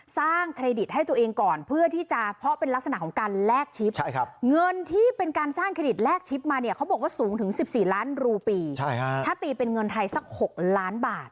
ประสิทธิ์เป็นเงินไทยสัก๖ล้านบาท